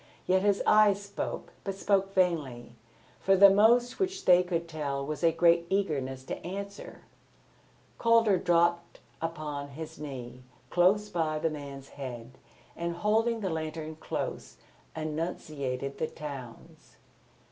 Yet his eyes spoke, but spoke vainly. For the most which they could tell was a great eagerness to answer. Calder dropped upon his knee close by the man's head and, holding the lantern close, enunciated the towns.